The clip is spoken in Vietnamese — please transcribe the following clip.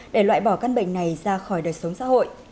để loại bỏ căn bệnh này ra khỏi đời sống xã hội